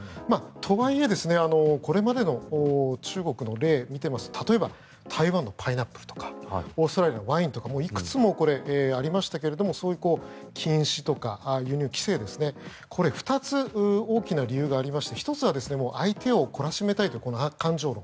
とはいえ、これまでの中国の例を見ていますと例えば台湾のパイナップルとかオーストラリアのワインとかいくつもありましたけれどそういう禁止とか輸入規制ですねこれ、２つ大きな理由がありまして１つは相手を懲らしめたいという感情論。